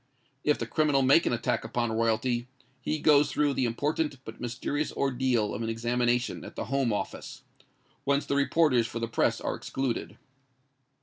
If the criminal make an attack upon royalty, he goes through the important but mysterious ordeal of an examination at the Home Office, whence the reporters for the press are excluded.